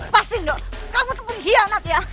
pasti ndo kamu tuh pengkhianat ya